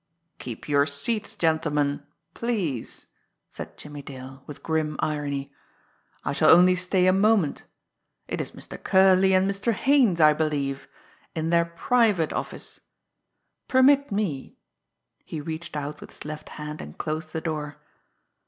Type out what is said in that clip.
"Keep your seats, gentlemen please!" said Jimmie Dale, with grim irony. "I shall only stay a moment. It is Mr. Curley and Mr. Haines, I believe in their private office! Permit me!" he reached out with his left hand, and closed the door.